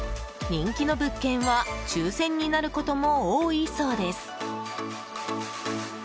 人気の物件は抽選になることも多いそうです。